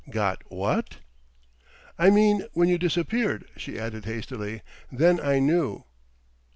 "Got what?" "I mean when you disappeared," she added hastily, "then I knew."